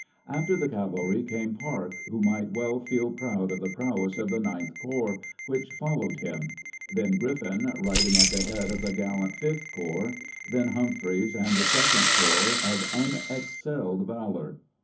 After the cavalry came Parke, who might well feel proud of the prowess of the Ninth Corps, which followed him ; then G riffin, riding at the head of the gallant Fifth Corps; then Humphreys and the Second Corps, of unexcelled valor.